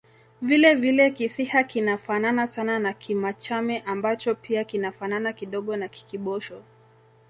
Vile vile Kisiha kinafanana sana na Kimachame ambacho pia kinafanana kidogo na Kikibosho